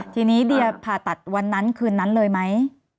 ทีนี้เดียผ่าตัดวันนั้นคืนนั้นเลยไหม